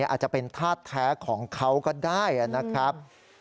อาจจะเป็นธาตุแท้ของเขาก็ได้นะครับ